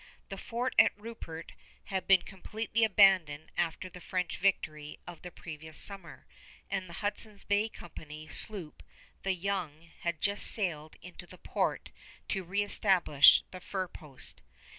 The fort at Rupert had been completely abandoned after the French victory of the previous summer, and the Hudson's Bay Company sloop, the Young, had just sailed into the port to reëstablish the fur post.